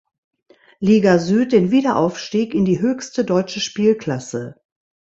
Liga Süd den Wiederaufstieg in die höchste deutsche Spielklasse.